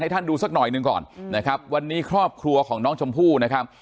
ท่านดูสักหน่อยหนึ่งก่อนนะครับวันนี้ครอบครัวของน้องชมพู่นะครับ